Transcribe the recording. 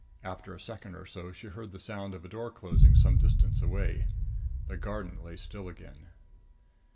After a second or so she heard the sound of a door closing some distance away. The garden lay still again.